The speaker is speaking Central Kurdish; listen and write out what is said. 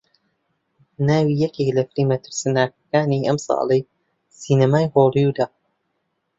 ناوی یەکێک لە فیلمە ترسناکەکانی ئەمساڵی سینەمای هۆلیوودە